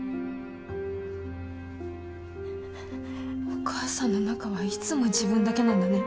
お母さんの中はいつも自分だけなんだね。